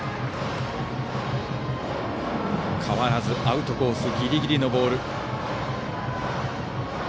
変わらずアウトコースギリギリのボール。